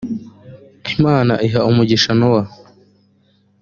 imana iha umugisha nowa